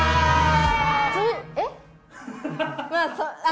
えっ？